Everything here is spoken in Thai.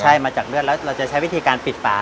ใช่มาจากเลือดแล้วเราจะใช้วิธีการปิดปาก